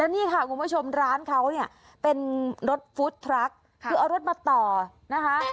นี่ค่ะคุณผู้ชมร้านเขาเนี่ยเป็นรถฟู้ดทรัคคือเอารถมาต่อนะคะ